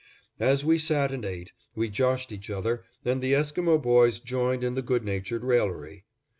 As we sat and ate, we joshed each other, and the Esquimo boys joined in the good natured raillery.